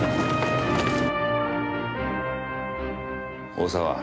大沢。